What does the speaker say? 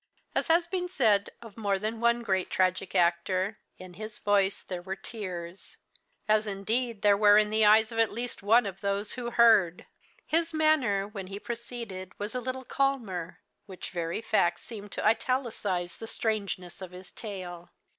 As has been said of more than one great tragic actor, in his voice there were tears. As, indeed, there were in the eyes of at least one of those who heard. His manner, when he proceeded, was a little calmer which very fact seemed to italicise the strangeness of his tale.